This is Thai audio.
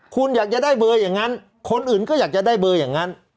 คุณอยากจะได้เบอร์อย่างนั้นคนอื่นก็อยากจะได้เบอร์อย่างนั้น